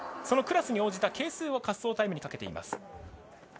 そのクラスに応じた係数を滑走タイムにかけています。